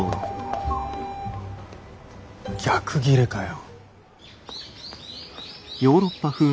逆ギレかよ。